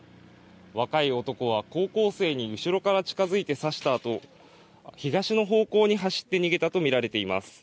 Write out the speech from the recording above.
若い男は高校生に後ろから近づいて刺したあと、東の方向に走って逃げたと見られています。